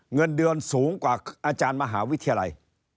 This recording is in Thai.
เงินเดือนสูงกว่าอาจารย์มหาวิทยาลัย